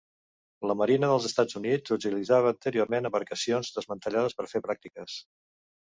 La Marina dels Estats Units utilitzava anteriorment embarcacions desmantellades per fer pràctiques.